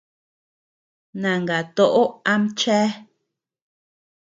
Nangatoʼo am chéa.